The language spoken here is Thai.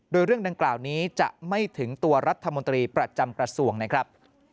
โดยเรื่องดังกล่าวนี้จะไม่ถึงตัวรัฐมนตรีประจำกระทรวงนะครับ